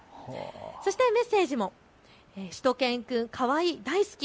そしてメッセージもしゅと犬くんかわいい大好き。